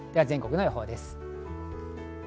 全国の予報です。